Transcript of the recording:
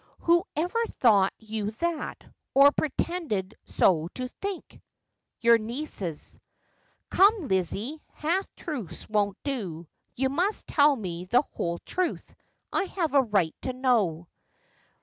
' Who ever thought you that, or pretended so to think 1 '' Your nieces.' ' Come, Lizzie, half truths won't do. You must tell me the whole truth. I have a right to know.'